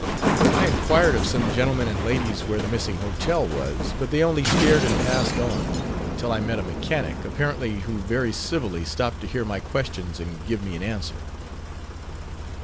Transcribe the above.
I inquired of some gentlemen and ladies where the missing hotel was; but they only stared and passed on; until I met a mechanic, apparently, who very civilly stopped to hear my questions and give me an answer.